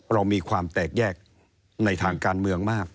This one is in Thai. เรามีความแตกแยกในทางการเมืองมาก